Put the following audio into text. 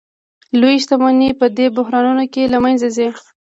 لویې شتمنۍ په دې بحرانونو کې له منځه ځي